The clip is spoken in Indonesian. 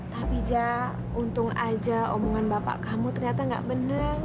tapi jak untung aja omongan bapak kamu ternyata gak bener